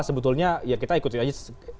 sebetulnya ya kita ikut saja